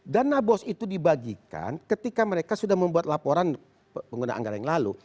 dana bos itu dibagikan ketika mereka sudah membuat laporan pengguna anggaran yang lalu